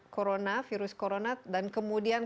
corona virus corona dan kemudian